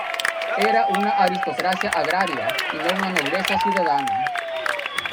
Era una aristocracia agraria y no una nobleza ciudadana.